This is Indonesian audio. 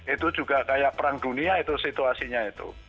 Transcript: itu juga kayak perang dunia itu situasinya itu